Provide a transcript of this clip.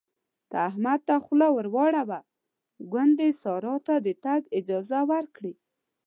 ته احمد ته خوله ور واړوه ګوندې سارا ته د تګ اجازه ورکړي.